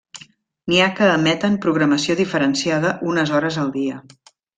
N'hi ha que emeten programació diferenciada unes hores al dia.